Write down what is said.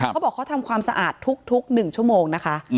เขาบอกเขาทำความสะอาดทุก๑ชั่วโมงนะคะ